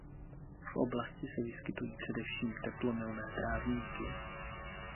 V oblasti se vyskytují především teplomilné trávníky.